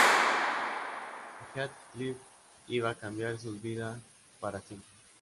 Heathcliff iba a cambiar sus vidas para siempre.